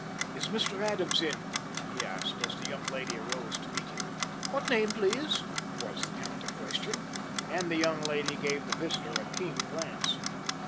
"Is Mr. Adams in?" he asked, as the young lady arose to meet him. "What name, please?" was the counter question, and the young lady gave the visitor a keen glance.